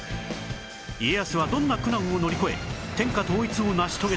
家康はどんな苦難を乗り越え天下統一を成し遂げたのか